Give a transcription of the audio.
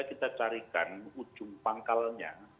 kita carikan ujung pangkalnya